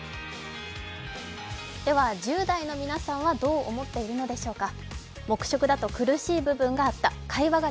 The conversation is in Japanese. では１０代の皆さんはどう思っているのでしょうか。